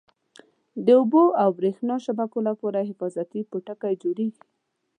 د اوبو او بریښنا شبکو لپاره حفاظتي پوټکی جوړیږي.